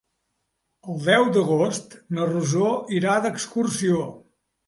El deu d'agost na Rosó irà d'excursió.